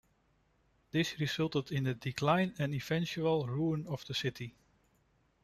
This resulted in the decline and eventual ruin of the city.